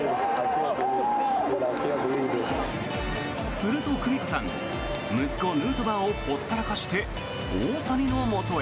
すると久美子さん息子・ヌートバーをほったらかして大谷のもとへ。